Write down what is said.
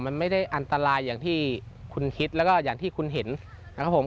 มันไม่ได้อันตรายอย่างที่คุณคิดแล้วก็อย่างที่คุณเห็นนะครับผม